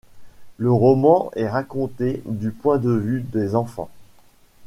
Le roman est raconté du point de vue des enfants.